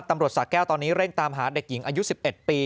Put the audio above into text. สาแก้วตอนนี้เร่งตามหาเด็กหญิงอายุ๑๑ปี